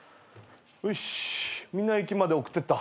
みんな駅まで送ってった。